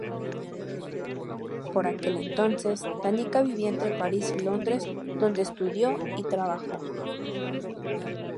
Por aquel entonces Danica vivía entre París y Londres dónde estudió y trabajó.